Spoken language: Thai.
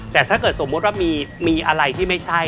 แต่ถ้าเกิดสมมุติว่ามีอะไรที่ไม่ใช่